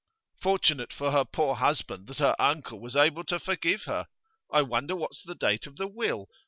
'Fortunate for her poor husband that her uncle was able to forgive her. I wonder what's the date of the will?